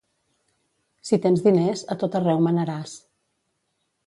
Si tens diners, a tot arreu manaràs.